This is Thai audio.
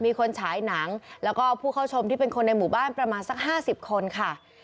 มีคนฉายหนังแล้วก็ผู้เข้าชมที่เป็นคนในหมู่บ้านประมาณสัก๕๐คนค่ะ